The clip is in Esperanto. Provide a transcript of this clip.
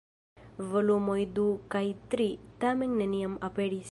Volumoj du kaj tri, tamen, neniam aperis.